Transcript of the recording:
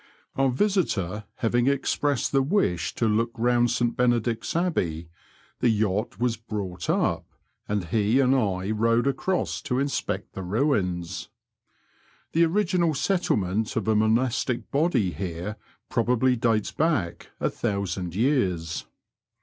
115 Our visitor haying expressed ihe wish to loc^ round St Benedict's Abbey, the yacht was brought up, and he and I TOwed across to inspect the mins. The or^;inal settlement of a monastic body here probably dates back a thousand years.